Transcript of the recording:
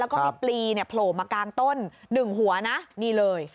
แล้วก็มีปลีเนี่ยโผล่มากลางต้น๑หัวนะนี่เลย